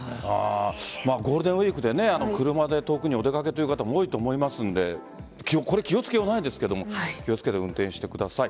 ゴールデンウイークで車で、遠くにお出掛けという方も多いと思いますのでこれ、気を付けようがないですが気を付けて運転してください。